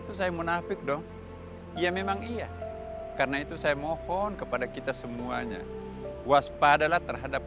kemunafikan itu kadang kadang tidak terasa dengan kemampuan kita sendiri